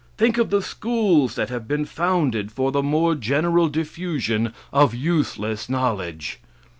Think of the schools that have been founded for the more general diffusion of useless knowledge!